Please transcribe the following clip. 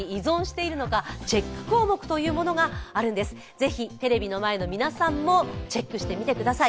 ぜひ、テレビの前の皆さんもチェックしてみてください。